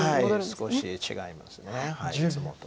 少し違いますいつもと。